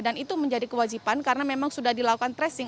dan itu menjadi kewajiban karena memang sudah dilakukan tracing